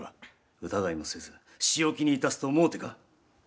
疑いもせず仕置きに致すと思うてか。